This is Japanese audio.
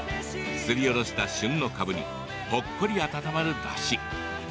すりおろした旬のかぶにほっこり温まる、だし。